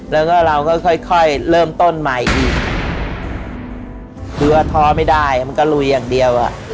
แล้วก็เราก็ค่อยค่อยเริ่มต้นใหม่อีกคือว่าท้อไม่ได้มันก็ลุยอย่างเดียวอ่ะ